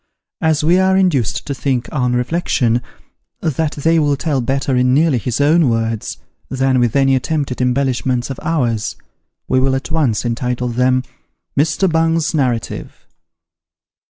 As we are induced to think, on reflection, that they will tell better in nearly his own words, than with any attempted embellishments of ours, we will at once entitle them MR. BUNG'S NARRATIVE.